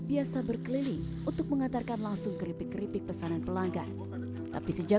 biasa berkeliling untuk mengantarkan langsung keripik keripik pesanan pelanggan tapi sejak